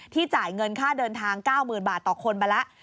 จ่ายเงินค่าเดินทาง๙๐๐๐บาทต่อคนไปแล้ว